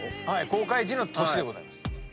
公開時の年でございます。